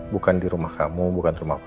bukan di rumah kamu bukan di rumah papa